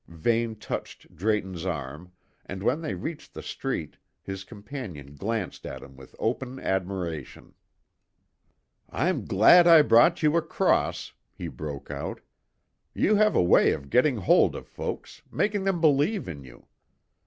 Vane touched Drayton's arm, and when they reached the street, his companion glanced at him with open admiration. "I'm glad I brought you across," he broke out. "You have a way of getting hold of folks, making them believe in you.